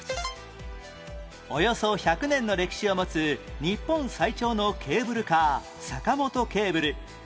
およそ１００年の歴史を持つ日本最長のケーブルカー坂本ケーブル